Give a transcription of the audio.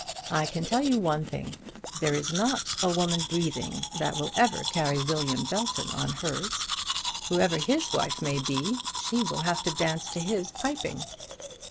I can tell you one thing; there is not a woman breathing that will ever carry William Belton on hers. Whoever his wife may be, she will have to dance to his piping."